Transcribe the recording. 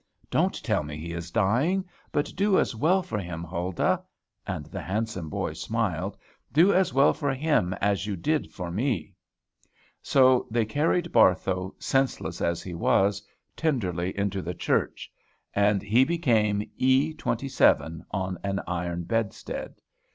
Don't tell me he is dying; but do as well for him, Huldah," and the handsome boy smiled, "do as well for him as you did for me." So they carried Barthow, senseless as he was, tenderly into the church; and he became E, 27, on an iron bedstead.